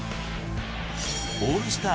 オールスター